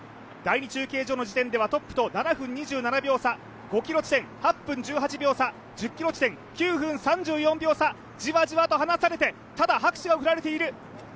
第２中継所の時点ではトップと７分２７秒の差、５ｋｍ地点８分１８秒差、１０ｋｍ地点９分４３秒差、じわじわと離されて、ただ拍手が送られている。